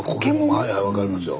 はいはい分かりますよ。